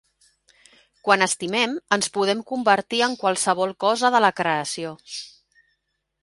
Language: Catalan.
Quan estimem, ens podem convertir en qualsevol cosa de la Creació.